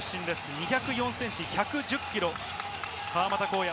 ２０４ｃｍ、１１０ｋｇ、川真田紘也。